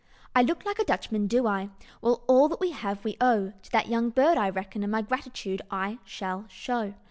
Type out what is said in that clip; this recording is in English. "I look like a Dutchman, do I? Well! all that we have we owe To that young bird, I reckon; And my gratitude I shall show.